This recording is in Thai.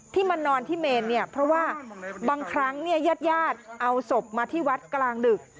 ที่มานอนที่เมนเพราะว่าบางครั้งญาติเอาสบมาที่วัดกลางดึก